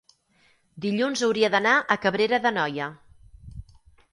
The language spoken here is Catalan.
dilluns hauria d'anar a Cabrera d'Anoia.